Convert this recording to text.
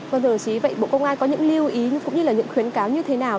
vâng thưa đồng chí vậy bộ công an có những lưu ý cũng như là những khuyến cáo như thế nào